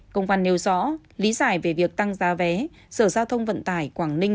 công văn nêu rõ lý giải về việc tăng giá vé sở giao thông vận tải quảng ninh